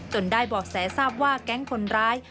ได้บอกแสทราบว่าแก๊งคนร้าย